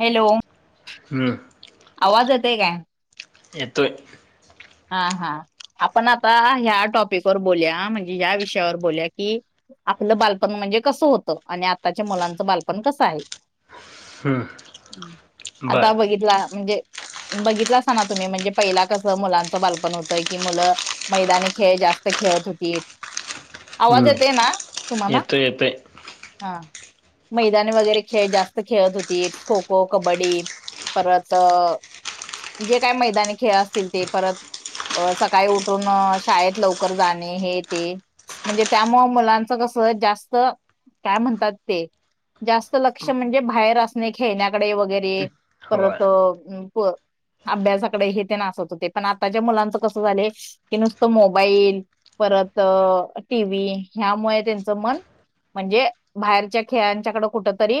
Hello हम्म्म. आवाज येतय काय? येतोय. हा हा आपण आता ह्या टॉपिक वर बोलुया. म्हणजे ह्या विषयावर बोलुया कि आपलं बालपण म्हजे कसं होतं आणि आताच्या मुलांचं बालपण कस हाय? हम्म बर आता बघितला म्हजें बघितलासा ना तुमी म्हणजे पहिला कस मुलां च बालपण होतय की मुलं मैदानी खेळ जास्त खेळत हुतीत. आवाज हम्म येतोय ना तुमांना? येतोय येतोय हा. मैदाने वगैरे खेळ जास्त खेळत हुतीत खो-खो, कबड्डी परत अ जे काय मैदानी खेळ असतील ते परत अ सकाळी उठून अ शाळेत लवकर जाणे हे ते म्हणजे त्यामुळ मुलां च कस जास्त काय म्हणतात ते? जास्त लक्ष म्हणजे बाहेर असणे. खेळण्याकडे वगैरे होय परत अ उंप आभ्यासाकडे हे तेन असत हुते, पण आ आत्ताचा मुलांच कस झालय ते नुस्त मोबाइल परत अ टी वी ह्यामुळ त्यांमुळ तेंच मन म्हजे बाहेरच्या खेळांच्याकड कुठ तरी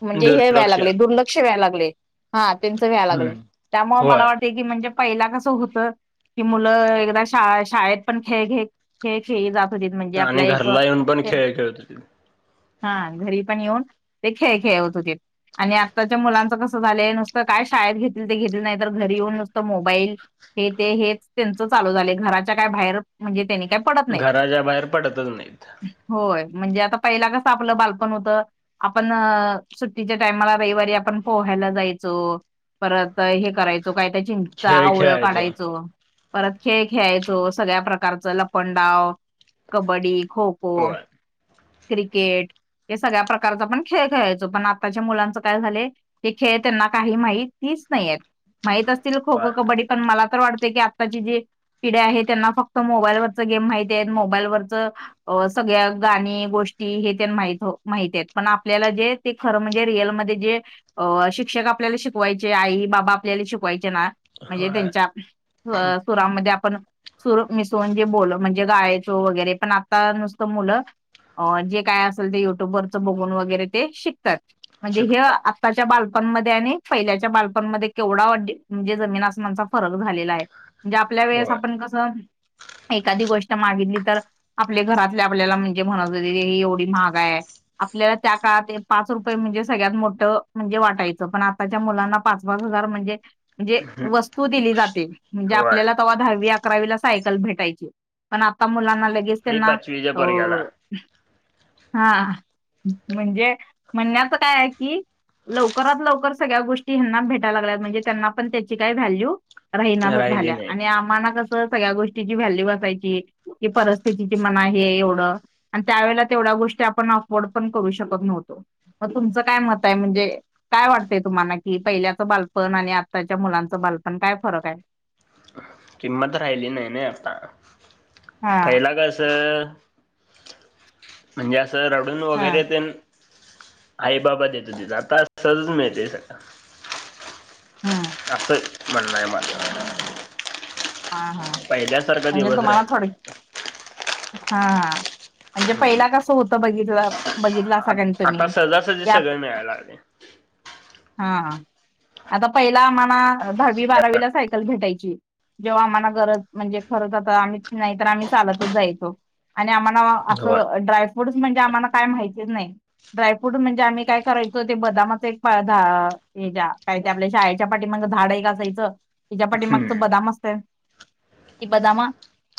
म्हणजे हे व्ह्या दुर्लक्ष लागलय दुर्लक्ष व्यायला लागलय. हा त्यांच व्यालागलय हम्म त्यामुळ मला होय वाटत की म्हणजे पहिला कस हुत की मुलं अ एकदा शाळ शाळेत पण खेळ घेत खेळ खेळी जात हुतित म्हणजे आपलं आणि एक घरला येऊन पण खेळ खेळत होतीत हा घरी पण येऊन ते खेळ खेळवत हुतित. आणि आत्ताच्या मुलांचं कसं झालंय नुसतं काय शाळेत घेतील ते घेतील नाही तर घरी येऊन नुसतं मोबाईल हे ते त्यांच चालू झालंय घराच्या काय बाहेर म्हणजे त्यांनी काय पडत नाहीत घराच्या बाहेर पडतच नाहीत. होय म्हणजे आता पहिला कसं आपलं बालपण होत. आपण सुट्टीच्या टायमाला रविवारी आपण पोहायला जायचो परत हे करायचो, काय त्या चिंचा, खेळ आवळ खेळायचो काढायचो. परत खेळ खेळायचो सगळ्या प्रकारचं लपणडाव, कबड्डी खो खो, होय क्रिकेट हे सगळ्या प्रकारचं आपण खेळ खेळायचो, पण आताच्या मुलांच काय झालयं ते खेळ त्यांना काही माहिती च नाही माहित असतील खो होय खो, कबड्डी पण मला तर वाटते की आत्ताची जी पिढी आहे त्यांना फक्त मोबाईलवरच गेम माहिती आहेत मोबाईलवरच सगळ्या गाणी गोष्टी हे तेन माहित आहेत. पण आपल्याला जे ते खरं म्हणजे रियल मध्ये जे शिक्ष शिक्षक आपल्याला शिकवायचे आई, बाबा आपल्याला शिकवाय म्हणजे होय त्यांच्या सुरामध्ये आपण सुर मिसळुन जे बोल म्हणजे गायायचे वगैरे पण आता नुसतं मुलं अ जे काय असेल ते युट्यूबवरच बघून वगैरे ते शिकतात. म्हणजे हे शिकता आत्ताच्या बाल पणमध्ये आणि पैल्याच्या बालपणमध्ये केवढा अ म्हणजे जमीन असमचा फरक झालेला आहे म्हणजे आपल्या वेळेस होय आपण कसं एखादी गोष्ट मागितली तर आपल्या घरातले आपल्याला म्हणतं होते एवढी महाग आहे, आपल्याला त्या काळातील पाच रुपये म्हणजे सगळ्यात मोठं म्हणजे वाटायचं पण आताच्या मुलांना पाच पाच हजार म्हणजे म्हणजे वस्तू दिली जाते, म्हणजे होय आपल्याला तेव्हा दहावी अकरावीला सायकल भेटायची पण आता मुलांना लगेच आणि त्यांना पाचवीच्या अ पोरग्याला हा म्हणजे म्हणण्याचं काय आहे कि लवकरात लवकर सगळ्या गोष्टी यांना भेटाय लागल्यात म्हणजे त्यांना पण त्याची काय व्हॅल्यू राहिनासच राहिली झाल्या नाही आणि आम्हाना कसं सगळ्या गोष्टीची व्हॅल्यू अससायची की परिस्थितीची म्हणा हे एवढं आणि त्यावेळेला तेवढ्या गोष्टी आपण अफवोर्ड पण करू शकत नव्हतो, मग तुमचं काय मतं आहे म्हणजे काय वाटतेय तुम्हाला कि पहिल्याचं बालपण आणि आत्ताच्या मुलांचं बालपण काय फरक आहे [inaudible] किंमत राहिली नाही ना आता हा पहिला कसं म्हणजे असं रडून हा वगैरे तेन आई बाबा देतं होतीत आता सहजच मिळतंय सगळं हम्म असं म्हणणं आहे माझं हा हा पहिल्यासारखा म्हणजे दिवस तुम्हाला राहिला थो नाही हा म्हणजे पहिला कसं होतं बघितलं बघितलासा आता सहजासहजी सगळं मिळायला लागलंय हा आता पहिला आम्हाला दहावी बारावीला सायकल भेटायची जेव्हा आम्हाला गरज म्हणजे खरंच आता आम्ही नाही तर आम्ही चालतच जायचो आणि आम्हाला होय असं ड्रायफ्रूट म्हणजे आम्हाला काय माहितीच नाही ड्रायफ्रूट म्हणजे आम्ही काय करायचो ते बदामाच एक काय ते आपल्या शाळेच्या पाठीमागे झाड एक असायचं त्याच्या पाठीमागचं हम्म. बदाम असतय ते बदाम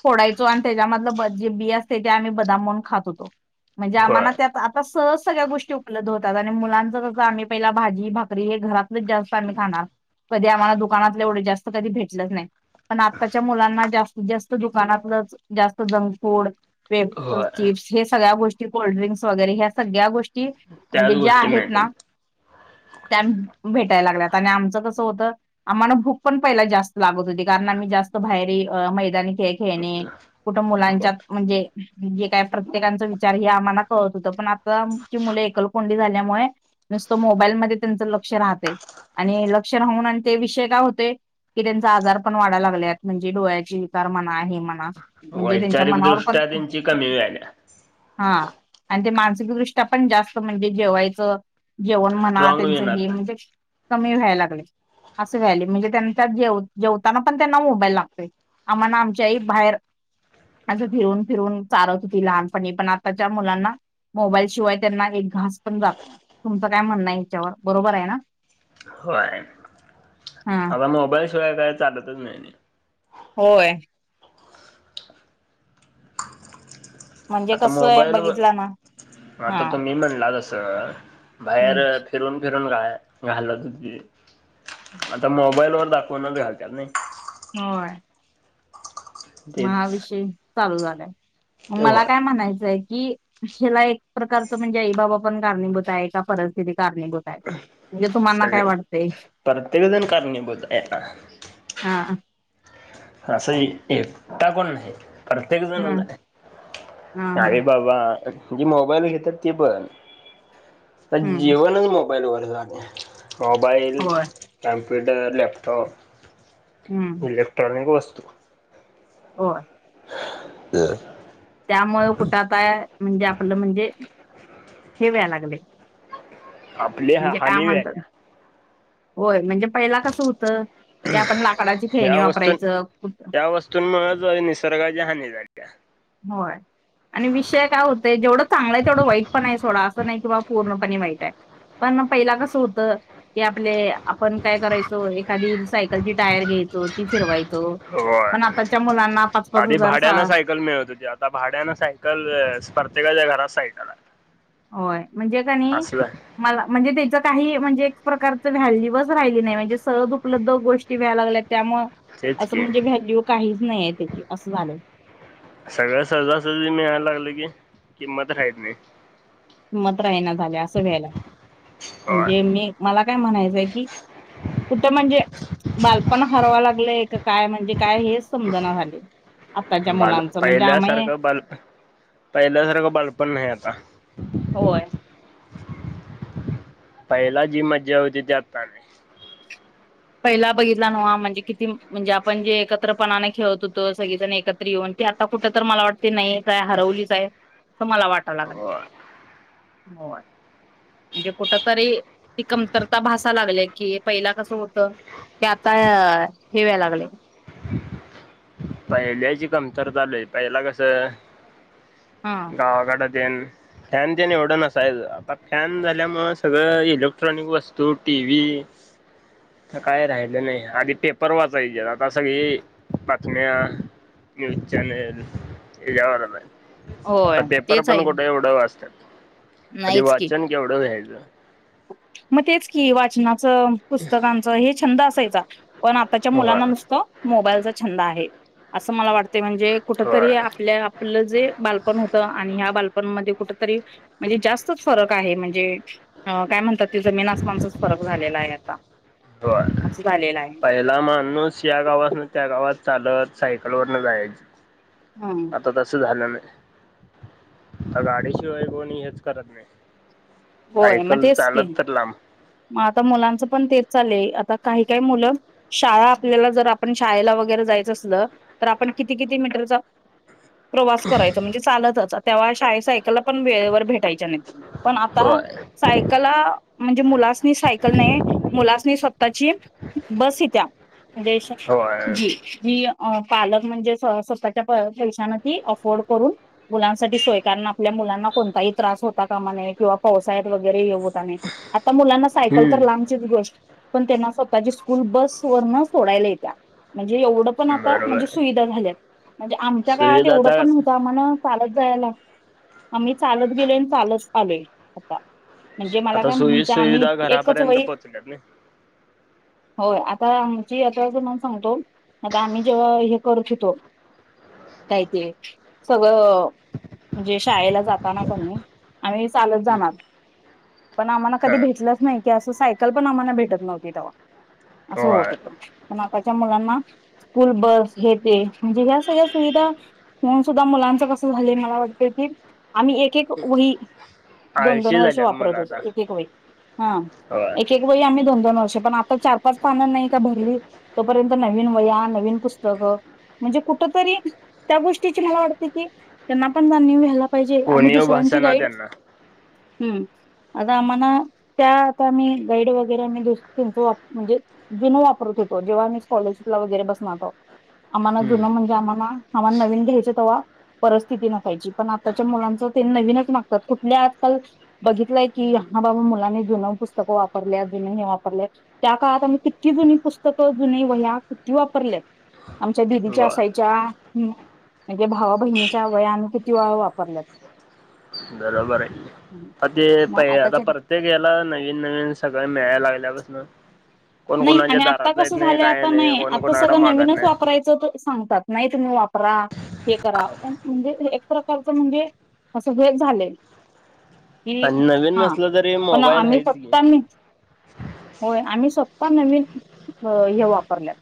फोडायचो आणि त्याच्यामधलं जे बी असते ते आम्ही बदाम म्हणून खात होतो म्हणजे होय आम्हाला त्यात आता सगळ्या गोष्टी उपलब्ध होतात, आणि मुलांच कसं आम्ही पहिला भाजी, भाकरी हे घरातलच जास्त आम्ही खाणार कधी आम्हाला दुकानातले एवढे जास्त कधी भेटलंच नाही पण आत्ताच्या मुलांना जास्तीत जास्त दुकानातलंच जास्त जंक फूड वेफर्स, होय चिप्स हे सगळ्या गोष्टी कोल्डिंक्स वगैरे ह्या सगळ्या गोष्टी त्याच म्हणजे ज्या गोष्टी आहेत मिळतील ना त्या भेटायला लागल्यात आणि आमचं कसं होतं आम्हाला भूक पण पहिला जास्त लागतं होती कारणम जास्त बाहेर मैदानी खेळ खेळणे कुठं मुलांच्या म्हणजे?.. जे काय प्रत्येकचा विचार हे आम्हाला कळत होतं पण आताची मुले एकल कोंडी झाली. मुळे न मोबाईल म त्यांच लक्ष राहते. आणि लक्ष राहून आणि ते विषय काय होतेय की त्यांचा आजार.. पण वाडा लागल्यात म्हणजे डोळ्याचे विकार म्हणा आहे म्हणा. म्हणजे त्यांच्या वैचारिक मनावर पण दृष्ट्या त्यांची कमी व्हायला हा.. आणि ते मानसिकदृष्ट्या पण जास्त म्हणजे जेवायचं.. जेवण म्हणा स्ट्रॉंग त्यांचं हे विनात म्हणजे.. कमी व्हायला लागले. असं व्हाय म्हणजे त्यांच्या जे जेव.. ताना पण त्यांना मोबाईल लागतोय. आम्हाला आमच्याही बाहेर.. म्हे फिरून फिरून चालत होती लहानपणी पण आताच्या मुलांना.. मोबाईल शिवाय त्यांना एक घास पण जात नाही तुमचं काय म्हणणं याच्यावर? बरोबर आहे ना. होय हा. आता मोबाईलशिवाय काय चालतच नाही. होय. म्हणजे आता कसं आहे मोबाईल व बघितला ना आता हा तो्ी म्हणलाच.. हम्म बाहेर फिरून फि.. काय घालत होती, आता मोबाईलवर दाखवल घरच्यांनी. होय. म हा तेच विषय चालू झालाय, मग मला होय काय म्हणायचंय.. कि ह्याला एक प्रकारच म्हणजे आई बाबा पण कारणीभूत आहे का परिस्थिती कारणीभूत आहे. म्हणजे तुम्हाना सगळे काय वाटतंय प्रत्येकजण कारणीभूत येतात. हा असं ए एकटापण नाही. प्रत्येक हा हा जणच हा आरे बाबा.. जे मोबाईल घेतात ते पण हम्म जेवणच मोबाईल वर झालय. मोबाईल होय काॅमप्यूटर लॅपटॉप.. हम्म.. काही क वस्तू.. होय. [unintelligible] त्यामु कुठ काय म्हणजे आपलं म्हणजे ठेवाया लागले. आपली म्हणजे काय हानी म्हणतात झाल्या.. होय म्हणजे पहिला कसं होतं की आपण लाग.. ह्या वस्तू ह्या वस्तूंमुळेच निसर्गाची हानी झाली. होय. आणि विषय काय होतय जेवढं चांगला आहे तेवढं वाईट पण आहे सोडा असं नाही किंवा पूर्णपण वाईटय. पण पहिला कस होत की आपले आपण काय करायचो एखादी सायकलची टायर.. घेयचो ती फिरवायचो होय पण आताच्या मुलांना पाच पाच आधी हजार सा भाड्यानं सायकल मिळत होती आता भाड्यान सायकल अअ परत्येकाच्या घरात सायकल आहे.. होय म्हणजे काणी असलं मला म्हणजे त्याच. काही म्हणजे एक प्रकारच व्हॅल्यूवच राहिली नाही म्हणजे सहज उपलब्ध गोष्टी मिळायला लागल्यात. त्यामुळ तेच असं की म्हणजे व्हॅल्यू काहीच नाही आहे त्याची असं झालंय.. सगळं सहजासहजी मिळायायला लागल की किंमत राहीत नाय. हिमंत राहीनाय झालय असं व्यायला लागले होय म्हणजे मी मला काय म्हणायचंय कि.. कुठे म्हणजे बालपण हरवा लागलंय का काय म्हणजे.. काय हेच समजना झालय आत्ताच्या बाल मुलांच म्हणजे आम्ही पहिल्यासारखं बाल का पहिल्यासारखं बालपण नाही आता. होय. पहिला जी मज्जा होती त्या आत्ता नाय. पहिला बघितला न म्हणजे किती? म्हणजे आपण जे एकत्रपणाने खेळत होतो सगळेजण एकत्र येऊन.. ते आता कुठ तर मला वाटते नाही काय हरवलीच आहे असं मला वाटाया लागलय. हो होय. म्हणजे कुठ तरी ती कमतरता भसाया लागलीये की पहिला कस होत ते आता हे वाय लागले. पहिल्याची कमतरता लय पहिला कस हा गावाकडं त्यांनी. फॅन काय राहिलं नाही आणि पेपर वाचायचे आता सगळी म न्यूज चॅनल यावरून या. होय आता पेपर तेच पण आहे कुठे एवढं वाचत्यात. आधी नाहीच की वाचन केवढं व्हायचं. मग तेच कि वाचनाचं पुस्तकांचं हे छंद असायचा. पण आताच्या होय मुलांना नुसतं मोबाईलचा छंद आहे असं मला वाटत. ते म्हणजे कुठ तरी होय आपल्या आपलं जे बालपण होतं आणि ह्या बालपणमध्ये कुठ ते तरी म्हणजे जास्तच फरक आहे म्हणजे काय म्हणतात ते जमीन आसमानचाच फरक झालेला आहे. घेता. हे बघा पहिला मानूस या गावातून त्या गावात चालत सायकल वरन जायची हम्म आता तसं झालं नाही. आ गाडीशिवाय कोणी हेच करत नाही होय मग सायकल तेच की चालत तर लांब मग आता मुलांचं पण तेच चा आता काही काही मुलं शाळा आपल्याला जर आपण शाळेला वगरे जायचं असलं तर आप किती किती मीटरचा प्रवास करायच म्हणजे चालतच तेव्हा शाळे सायकलला पण वेळेवर भेटायच्या नाही पण आता होय सायकला म्हणजे मुलासनी सायकल नाही मुलासनी स्वतःची बस येत्या. जस होय जी जी पालक म्हणजे स्वतःच्या पैशाना ती अफोर्ड करून मुलांसाठी सोय कारण आपल्या मुलांना कोणताही त्रास होता कामाने किंवा पावसाळ्यात वगैरे येऊ आता मुलांना सायकल तर हम्म लांबचीच गोष्ट पण त्यांना स्वतःची स्कूल बस वरन सोडायला येत्या. म्हणजे एवढ पण आता बरोबर म्हणजे आहे. सुविधा झाल्या म्हणजे आमच्या काळात सुविधा एवढं तर पणतं आम्हाला चालत जायला आम्ही चालत गेलो आणि चालत आलोय आता म्हणजे मला आता काय सुवि म्हणायचं आम्ही सुविधा एकच घरापर्यंत वई पोहोचल्यात ना होय आता आमची आतां मण सांगतो आता आम्ही जेव्हा हे करत होेतो. काही ते सगळं म्हणजे शाळेला जाताना क नाही आम् चालत जाणार पण आम्हाला कधी ह भेटलंच नाही की असं सायकल पण आम्हाला भेटत नव्हती तेव्हा असं होत होय होत पण आताच्या मुलांना स्कूल बस हे ते म्हणजे ह्या सगळ्या सुविधा होऊन सुद्धा मुलांच कसं झालं मला वाटत की आम्ही एक एक वही दोन दोन आळशी वर्ष झाल्यात वापरत मुलं होतो आता एक एक वही हा होय एक एक वही आम्ही दोन दोन वर्ष पण आता चार पाच पानं नाही का भरली तोपर्यंत नवीन वह्या नवीन पुस्तकं म्हणजे कुठ तरी त्या गोष्टीची मला वाटते की त्यांना पण जानीव व्हायला पाहिजे आम्ही कोणीव दुसऱ्यांची भाषा ना गाईड त्यांना हम्म आता आम्हाला त्या आता आम्ही गाईड वगैरेही त्यांच म्हणजे जुन वापरतो [unintelligible] जेव्हा मी स्कॉलरशिप ला वगैरे बसणार होतो आम्हाला हम्म जुनं म्हणजे आम्हाला आम्हाला नवीन घ्यायच तवा परिस्थिती नसायची पण आताच्या मुलांच ते नवीनच मागतात खूप मी आजकाल बघितलंय की हा बाबा मुलांनी जुन पुस्तकं वापरल्या जुन हे वापरले त्या काळात आम्ही किती जुनी पुस्तकं जुनी वहया किती वापरल्यात आमच्या दिदीच्या बर असायच्या ऽऽह, म्हणजे भावा बहिणीच्या वहया आमी किती वेळा वापरल्यात. बरोबर आहे. आ ते मग पहि आता आताच्या परत्येक याला नवीन नवीन सगळं मिळायला लागल्यापासून. नाही, आणि आता कसं झालंय, आता नाही, कोण आता कोणाकडे सगळं मागत नवीनच नाही वापरायचं.. सांगतात, नाही तुम्ही वापरा, हे करा, म्हणजे एक प्रकारच म्हणजेऽऽ असं हेच झालंय. हि, आणि नवीन हा, नसलं तरी पण मोबाईल आम्ही आहेच की फक्त आम्ऽऽ [unintelligible] होय, आम्ही स्वतः नवीन, हे, वापरल्या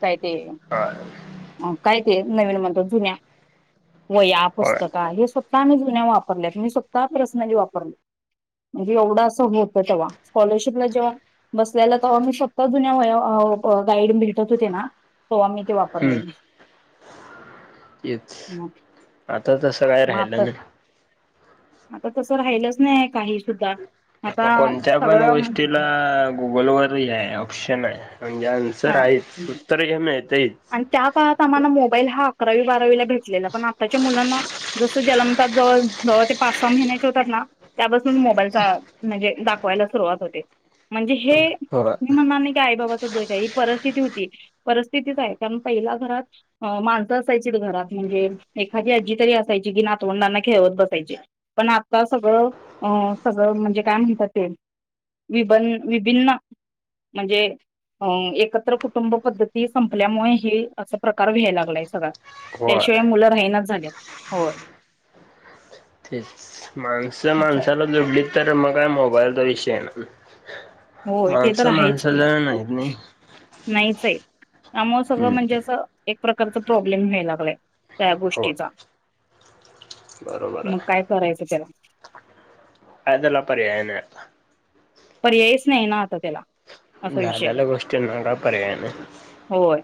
काय, तेऽ होय अ! काय ते नवीन म्हणतो जुन्याऽऽ वहया, होय पुस्तका हे स्वतः आम्ही जुन्या वापरल्यात, मी स्वतः पर्सनली वापरल्यात. म्हणजे एवढं अस होत, तेव्हा स्कॉलरशिपला जेव्हा बसल्यालं तेव्हा मी स्वतः जुन्या वह्या ऽऽ गाईड भेटत होते ना, ते, हो आम्ही ते वापरलेले. येच,, मग आता तसं काय मग आता राहिलं नाई. आता तसं राहिलच नाहीय काही सुद्धा. आता कोणत्या पण सगळं गोष्टीला गुगलवररही आहे, ऑप्शन आहे. म्हणजे आन्सर आहेच, हा उत्तर घ्य आणि त्या काळात आम्हाला मोबाईल हा अकरावी बारावीला भेटलेला, पण आताच्या मुलांना जसं जलमताच जवळ जवळ ते पाच सहा महिन्याच्या होतात नाऽऽ त्यापासून मोबाईलचा, म्हणजे दाखवायला सुरुवात होते. म्हणजे, हे होय मी म्हणणार नाही की आई बाबाचा दोष आहे, परिस्थिती होती, परिस्थितीच आहे, कारण पहिला घरात माणसं असायची घरात, म्हणजे‌ऽऽ एखादी आजी तरी असायची की नातवंडांना खेळवत बसायची, पण आता सगळं अऽऽ सगळंऽ म्हणजे काय म्हणतात ते,, विभिन्न म्हणजेऽऽ एकत्र कुटुंब पद्धती संपल्यामुळे हे असा प्रकार व्यायला लागलाय सगळा. होय त्याशिवाय मुलं राहिनाच झाल्यात,, होय. तेच, माणसं असं आहे माणसाला जुडलीत तर मग काय मोबाईलचा विषय नाय. होय ते तर माणसं आहेच की. माणसाजण नाहीत नाही. नाहीच आहे त्यामुळे सगळं म्हणजे हम्म असं. एक प्रकारचा प्रॉब्लेम व्याय लागलाय,, त्या हो गोष्टीचा. बरोबर मग आहे काय करायचं त्याला. कात तला पर्याय नाय आता. पर्यायच नाही ना, आता त्याला. असा विषय झालेला झाला. गोष्टीना का परयाय नाई. होय.